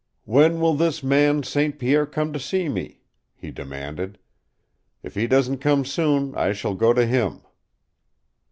"When will this man St. Pierre come to see me?" he demanded. "If he doesn't come soon, I shall go to him."